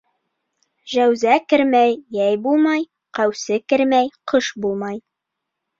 Жәүзә кермәй йәй булмай, Ҡәүсе кермәй ҡыш булмай.